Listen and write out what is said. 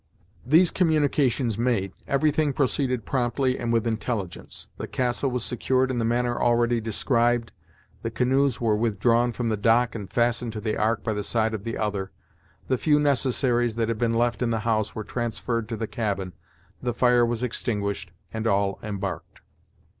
These communications made, everything proceeded promptly and with intelligence; the castle was secured in the manner already described, the canoes were withdrawn from the dock and fastened to the ark by the side of the other; the few necessaries that had been left in the house were transferred to the cabin, the fire was extinguished and all embarked.